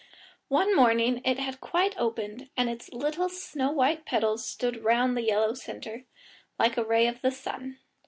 One morning it had quite opened, and its little snow white petals stood round the yellow centre, like the rays of the sun.